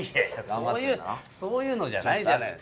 そういうのじゃないじゃないの。